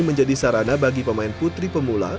menjadi sarana bagi pemain putri pemula